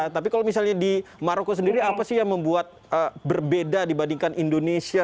tapi kalau misalnya di maroko sendiri apa sih yang membuat berbeda dibandingkan indonesia